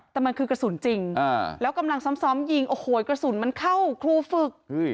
แต่มันคือกระสุนจริงแล้วกำลังซ้อมยิงโอ้โหกระสุนมันเข้าครูฝึก